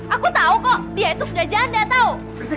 aku tau kok dia itu sudah janda tau